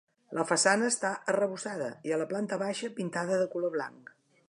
La façana està arrebossada i, a la planta baixa, pintada de color blanc.